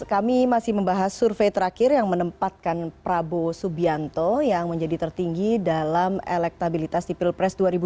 kami masih membahas survei terakhir yang menempatkan prabowo subianto yang menjadi tertinggi dalam elektabilitas di pilpres dua ribu dua puluh